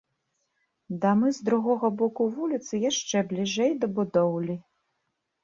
Дамы з другога боку вуліцы яшчэ бліжэй да будоўлі.